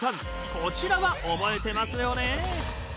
こちらは覚えてますよね？